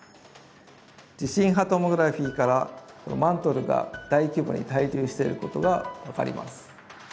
地震波トモグラフィーからマントルが大規模に対流していることが分かります。